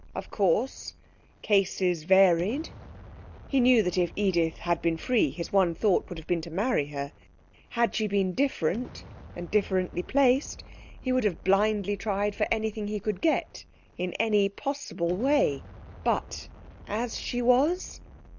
Of course, cases varied. He knew that if Edith had been free his one thought would have been to marry her. Had she been different, and differently placed, he would have blindly tried for anything he could get, in any possible way. But, as she was?...